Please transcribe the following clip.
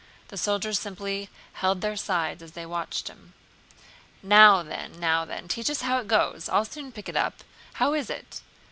The soldiers simply held their sides as they watched him. "Now then, now then, teach us how it goes! I'll soon pick it up. How is it?"